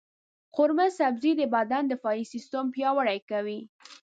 قورمه سبزي د بدن دفاعي سیستم پیاوړی کوي.